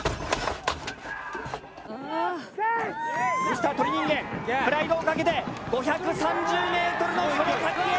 ミスター鳥人間プライドを懸けて５３０ｍのその先へ。